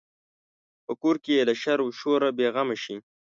په کور کې یې له شر و شوره بې غمه شي.